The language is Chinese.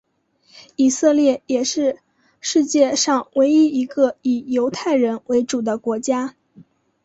以色列也是世界上唯一一个以犹太人为主的国家。